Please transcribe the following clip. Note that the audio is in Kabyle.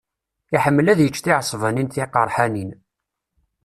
Iḥemmel ad yečč tiɛesbanin tiqeṛḥanin.